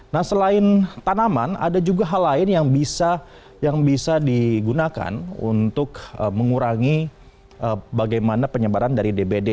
nah selain tanaman ada juga hal lain yang bisa digunakan untuk mengurangi bagaimana penyebaran dari dbd